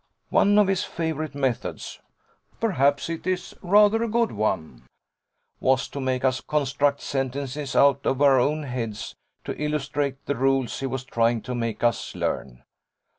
One of his favourite methods perhaps it is rather a good one was to make us construct sentences out of our own heads to illustrate the rules he was trying to make us learn.